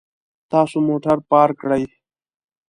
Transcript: تاسو موټر پارک کړئ